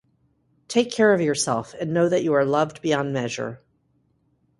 Take care of yourself and know that you are loved beyond measure.